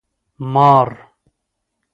🪱 مار